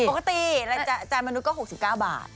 ปกติและจานมนุษย์ก็๖๙บาท